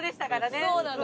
そうなの。